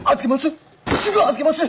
預けます！